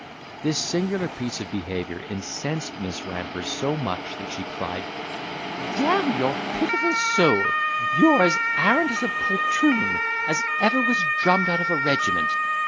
This singular piece of behaviour incensed Miss Ramper so much that she cried, "D—n your pitiful soul, you are as arrant a poltroon, as ever was drummed out of a regiment.